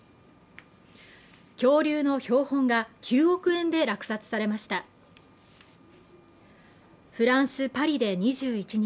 恐竜の標本が９億円で落札されましたフランス・パリで２１日